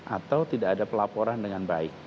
atau tidak ada pelaporan dengan baik